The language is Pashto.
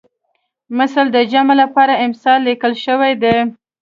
مثل د جمع لپاره امثال لیکل شوی دی